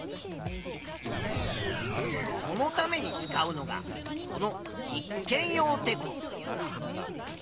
そのために使うのがこの「実験用てこ」。